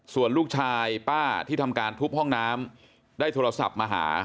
ส่วนลูกชายป้าที่ทำการทุบห้องน้ำได้โทรศัพท์มาหา